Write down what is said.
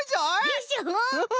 でしょ？